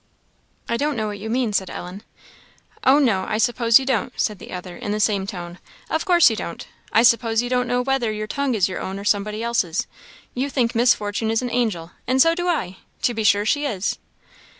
"I don't know what you mean," said Ellen. "Oh, no, I suppose you don't," said the other, in the same tone "of course you don't; I suppose you don't know whether your tongue is your own or somebody's else. You think Miss Fortune is an angel, and so do I to be sure she is!"